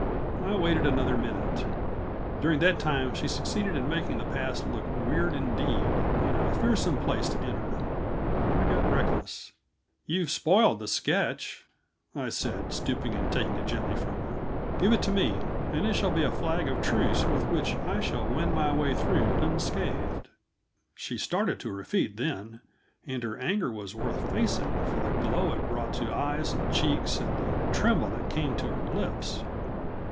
I waited another minute; during that time she succeeded in making the pass look weird indeed, and a fearsome place to enter. I got reckless. "You've spoiled that sketch," I said, stooping and taking it gently from her. "Give it to me, and it shall be a flag of truce with which I shall win my way through unscathed." She started to her feet then, and her anger was worth facing for the glow it brought to eyes and cheeks, and the tremble that came to her lips.